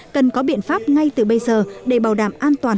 cần có biện pháp ngay từ bây giờ để bảo đảm an toàn